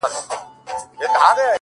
زه هم دعاوي هر ماښام كومه؛